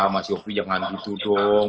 mas yofi jangan gitu dong